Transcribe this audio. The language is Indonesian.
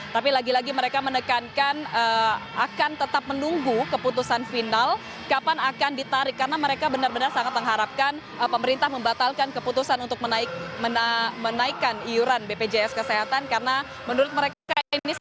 tapi lagi lagi mereka menekankan akan tetap menunggu keputusan final kapan akan ditarik karena mereka benar benar sangat mengharapkan pemerintah membatalkan keputusan untuk menaikkan iuran bpjs kesehatan karena menurut mereka